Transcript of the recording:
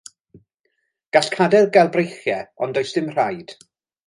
Gall cadair gael breichiau, ond does dim rhaid.